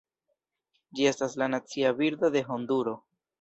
Ĝi estas la nacia birdo de Honduro.